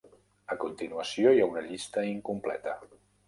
A continuació hi ha una llista incompleta.